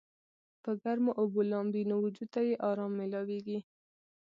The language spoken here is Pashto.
پۀ ګرمو اوبو لامبي نو وجود ته ئې ارام مېلاويږي